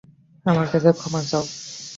আমাদের কাছে ক্ষমা চাও!